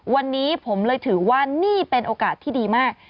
วันนี้ผมเลยถือว่านี่เป็นโอกาสที่ดีมาก